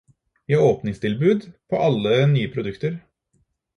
Vi har åpningstilbud på alle nye produkter.